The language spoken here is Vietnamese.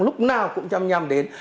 lúc nào cũng chăm nhăm đến